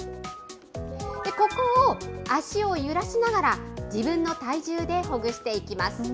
ここを足を揺らしながら、自分の体重でほぐしていきます。